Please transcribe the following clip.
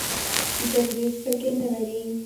جګړې سترګې نه لري .